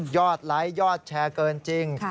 ไลค์ยอดแชร์เกินจริง